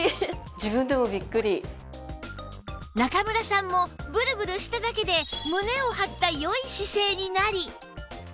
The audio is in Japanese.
中村さんもブルブルしただけで胸を張った良い姿勢になり